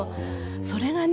それがね